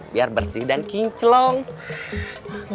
biar bersih dan kinclong